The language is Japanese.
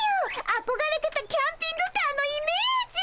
あこがれてたキャンピングカーのイメージ！